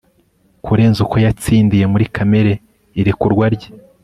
kurenza uko yatsindiye muri kamere irekurwa rye